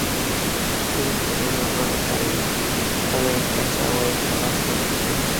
دې ټولنو غړو ته یې په لویه کچه عواید په لاس ورکول.